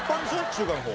中華の方。